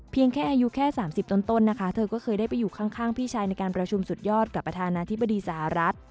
แค่อายุแค่๓๐ต้นนะคะเธอก็เคยได้ไปอยู่ข้างพี่ชายในการประชุมสุดยอดกับประธานาธิบดีสหรัฐ